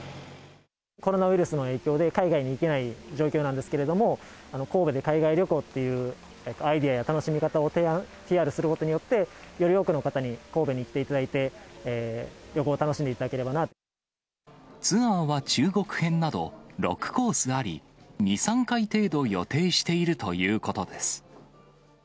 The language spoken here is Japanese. コロナウイルスの影響で、海外に行けない状況なんですけれども、神戸で海外旅行っていうアイデアや楽しみ方を提案、ＰＲすることによって、より多くの方に神戸に来ていただいて、ツアーは中国編など、６コースあり、２、３回程度予定しているということです。